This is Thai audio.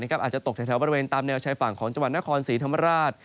อาจจะตกแถวบริเวณตามแนวชายฝั่งของจังหวัดนครศรีธรรมราช